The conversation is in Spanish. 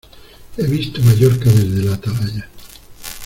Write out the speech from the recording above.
¡He visto Mallorca desde la Atalaya!